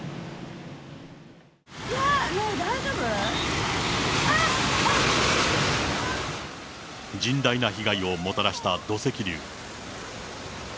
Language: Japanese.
いや、もう、甚大な被害をもたらした土石流。